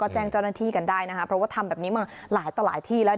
แจ้งเจ้าหน้าที่กันได้นะคะเพราะว่าทำแบบนี้มาหลายต่อหลายที่แล้ว